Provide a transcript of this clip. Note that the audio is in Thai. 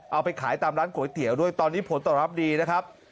เอาไปขายตามร้านก๋วยเตี๋ยวด้วยตอนนี้ผลตอบรับดีนะครับ